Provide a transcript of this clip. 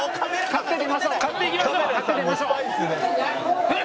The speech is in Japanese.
買っていきましょう。